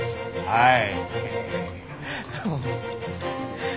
はい。